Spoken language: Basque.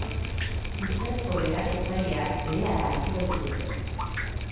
Ustezko erasotzailea berehala atxilotu dute.